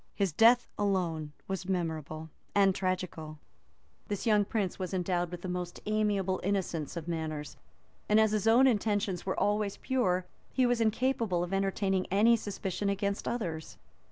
His death alone was memorable and tragical.[*] [* Chron. Sax. p. 124.] This young prince was endowed with the most amiable innocence of manners; and as his own intentions were always pure, he was incapable of entertaining any suspicion against others.